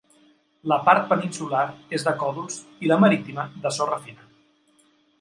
La part peninsular és de còdols i la marítima, de sorra fina.